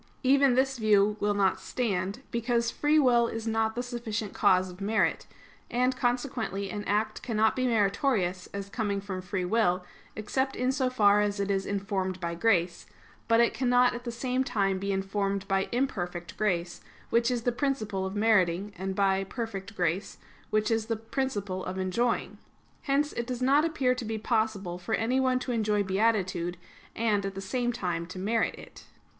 Even this view will not stand, because free will is not the sufficient cause of merit; and, consequently, an act cannot be meritorious as coming from free will, except in so far as it is informed by grace; but it cannot at the same time be informed by imperfect grace, which is the principle of meriting, and by perfect grace, which is the principle of enjoying. Hence it does not appear to be possible for anyone to enjoy beatitude, and at the same time to merit it.